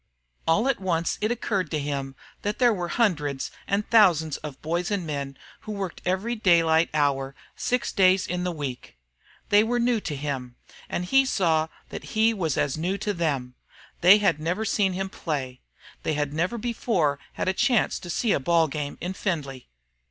All at once it occurred to him that here were hundreds and thousands of boys and men who worked every hour of daylight six days in the week. They were new to him, and he saw that he was as new to them. They had never seen him play. They had never before had a chance to see a ball game in Findlay.